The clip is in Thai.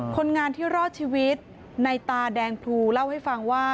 คนงานที่รอดชีวิตในตาแดงพลูเล่าให้ฟังว่า